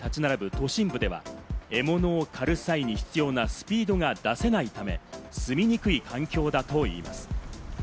都心部では獲物を狩る際に必要なスピードが出せないため住みにくい環境だといいます。